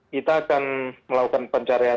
kita akan melakukan pencarian